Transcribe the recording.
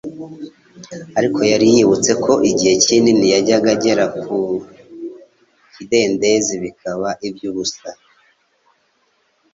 ariko yari yibutse ko igihe kinini yajyaga agera ku kidendezi bikaba iby'ubusa.